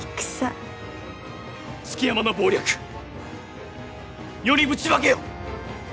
築山の謀略世にぶちまけよ！